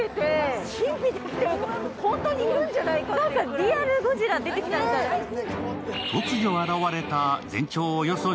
リアルゴジラ、出てきたみたいですね。